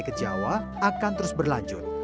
ke jawa akan terus berlanjut